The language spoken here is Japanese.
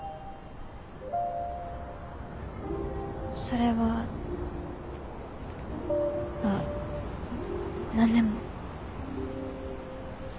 それはあ何でも。